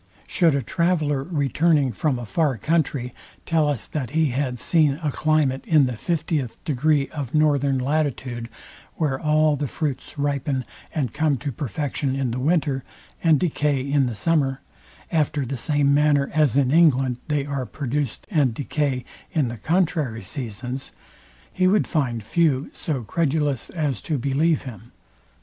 Should a traveller, returning from a far country, tell us, that he had seen a climate in the fiftieth degree of northern latitude, where all the fruits ripen and come to perfection in the winter, and decay in the summer, after the same manner as in England they are produced and decay in the contrary seasons, he would find few so credulous as to believe him.